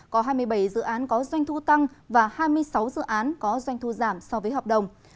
có hai mươi bảy dự án có doanh thu tăng và hai mươi sáu dự án có doanh thu giảm so với hợp đồng